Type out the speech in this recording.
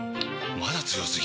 まだ強すぎ？！